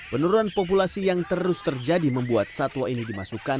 penurunan populasi yang terus terjadi membuat satwa ini dimasukkan